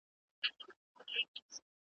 څخه به بله لاره ورته پاته نه وي، ,